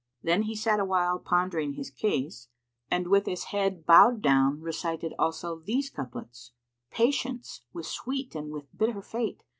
Then he sat awhile pondering his case, and with his head bowed down recited also these couplets, "Patience, with sweet and with bitter Fate!